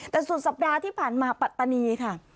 แต่สุดสัปดาห์ที่ผ่านมาปัตตานีค่ะ